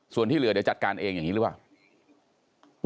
ส่วนที่เหลือเดี๋ยวจัดการเองอย่างนี้หรือเปล่า